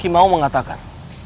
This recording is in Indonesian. ki mau mengatakan